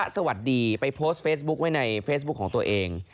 สวัสดีไปโพสต์เฟซบุ๊คไว้ในเฟซบุ๊คของตัวเอง